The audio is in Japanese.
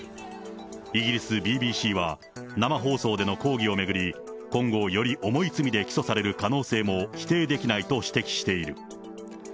イギリスＢＢＣは、生放送での抗議を巡り、今後、より重い罪で起訴される可能性も否定できないと指摘している。